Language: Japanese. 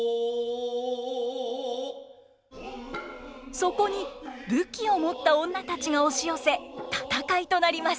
そこに武器を持った女たちが押し寄せ戦いとなります。